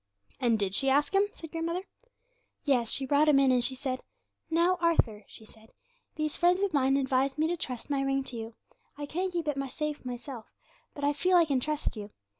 "' 'And did she ask him?' said grandmother. 'Yes, she brought him in, and she said: "Now, Arthur," she said, "these friends of mine advise me to trust my ring to you. I can't keep it safe myself, but I feel I can trust you.